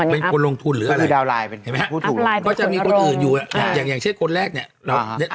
เป็นคนลงทุนหรืออะไรเพราะจะมีคนอื่นอยู่อย่างเช่นคนแรกเนี่ย